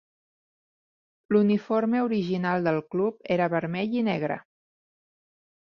L'uniforme original del club era vermell i negre.